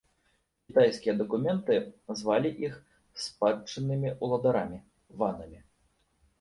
Кітайскія дакументы звалі іх спадчыннымі ўладарамі-ванамі.